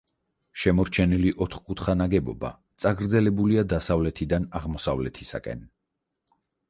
შემორჩენილი ოთხკუთხა ნაგებობა წაგრძელებულია დასავლეთიდან აღმოსავლეთისაკენ.